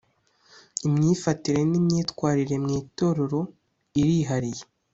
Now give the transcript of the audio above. imyifatire n’imyitwarire mu itorero irihariye